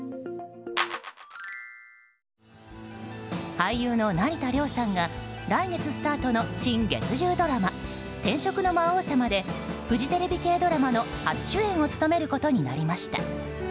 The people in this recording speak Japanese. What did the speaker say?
俳優の成田凌さんが来月スタートの新月１０ドラマ「転職の魔王様」でフジテレビ系ドラマの初主演を務めることになりました。